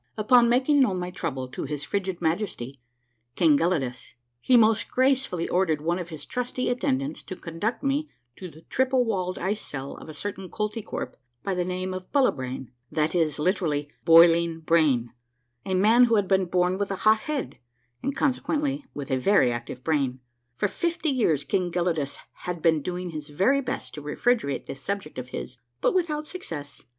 Upon making known my trouble to his frigid Majesty, King Gelidus, he most gracefully ordered one of his trusty attendants to conduct me to the triple walled ice cell of a certain Kolty kwerp by the name of Bullibrain, that is, literally, " Boiling Brain," a man who had been born with a hot head, and conse quently with a very active brain. For fifty years King Gelidus had been doing his very best to refrigerate this subject of his, but without success.